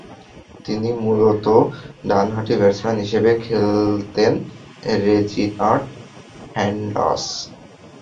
তিনি মূলতঃ ডানহাতি ব্যাটসম্যান হিসেবে খেলতেন রেজিনাল্ড হ্যান্ডস।